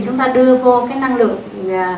chúng ta đưa vô cái năng lượng